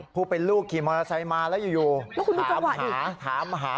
ผู้เป็นลูกขี่มอเตอร์ไซค์มาแล้วอยู่ถามหาถามหา